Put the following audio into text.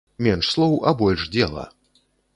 Менш слоў, а больш дзела.